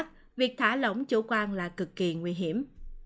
vì thế việc thả lỏng chỗ quan là cực kỳ nguy hiểm